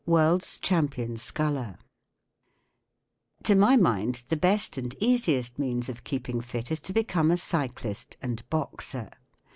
World'* Champion Sculler# To my mind the best and easiest means of keeping fit is to become a cyclist and boxer.